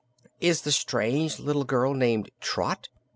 "Is the strange little girl named Trot?"